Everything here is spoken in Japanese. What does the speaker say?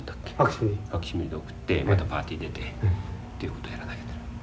ファクシミリで送ってまたパーティー出てっていうことをやらなきゃならん。